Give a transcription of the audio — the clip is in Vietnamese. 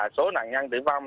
số nạn nhân tử vong